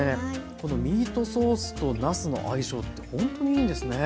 このミートソースとなすの相性ってほんとにいいんですね。